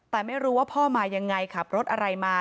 แต่ไม่รู้ว่าพ่อมายังไงขับรถอะไรมา